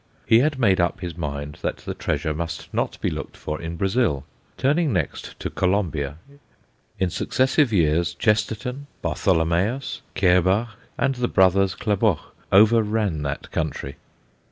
He had made up his mind that the treasure must not be looked for in Brazil. Turning next to Colombia, in successive years, Chesterton, Bartholomeus, Kerbach, and the brothers Klaboch overran that country.